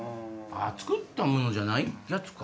作ったものじゃないやつか。